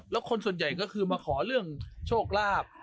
แล้วคนส่วนใหญ่ก็คือมาขอเรื่องโชคลาภ